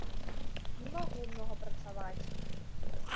Не магу многа працаваць.